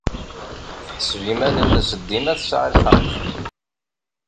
Teḥseb iman-nnes dima tesɛa lḥeqq.